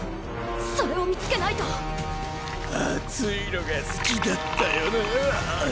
それを見つけないと熱いのが好きだったよなぁ。